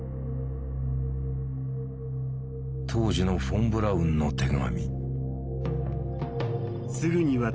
当時のフォン・ブラウンの手紙。